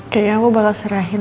kayaknya aku bakal serahin